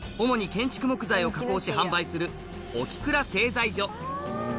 主に建築木材を加工し販売する沖倉製材所。